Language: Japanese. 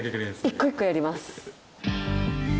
一個一個やります。